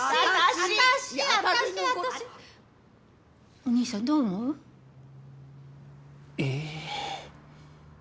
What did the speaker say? お兄さんどう思う！？え。